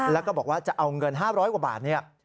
แล้วก็บอกว่าจะเอาเงิน๕๐๐กว่าบาทเนี่ย